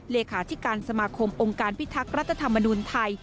เลขาธิการสมาคมองค์การพิทักษ์รัฐธรรมนุนไทย